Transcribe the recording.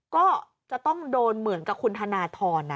ก็จะต้องโดนเหมือนกับคุณธนทรนะ